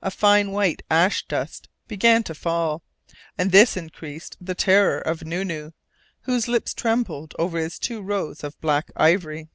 A fine white ash dust began to fall, and this increased the terror of Nu Nu, whose lips trembled over his two rows of black ivory.